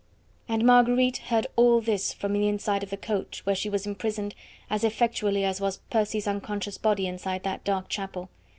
And Marguerite heard all this from the inside of the coach where she was imprisoned as effectually as was Percy's unconscious body inside that dark chapel.